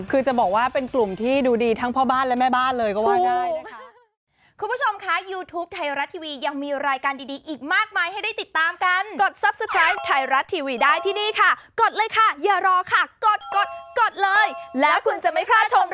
คือจะบอกว่าเป็นกลุ่มที่ดูดีทั้งพ่อบ้านและแม่บ้านเลยก็ว่าได้นะคะ